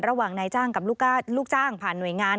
ระหว่างนายจ้างกับลูกจ้างผ่านหน่วยงาน